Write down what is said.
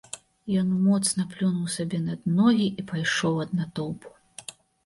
Ён моцна плюнуў сабе над ногі і пайшоў ад натоўпу.